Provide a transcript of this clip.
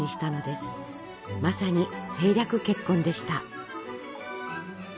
まさに政略結婚でした。